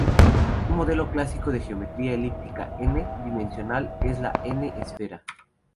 Un modelo clásico de geometría elíptica "n"-dimensional es la "n"-esfera.